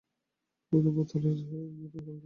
বিপদের পথ হলে নিয়ে যেতুম সঙ্গে।